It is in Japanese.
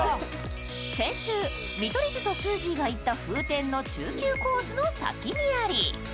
先週見取り図とすーじーが言った風天コースの中級コースの先にあり